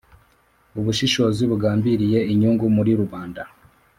ubushishozi bugambiriye inyungu muri rubanda